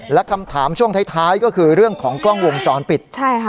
และคำถามช่วงท้ายก็คือเรื่องของกล้องวงจรปิดใช่ค่ะ